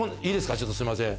ちょっとすいません。